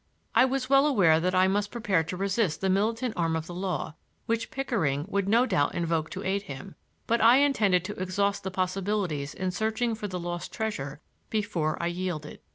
I was well aware that I must prepare to resist the militant arm of the law, which Pickering would no doubt invoke to aid him, but I intended to exhaust the possibilities in searching for the lost treasure before I yielded.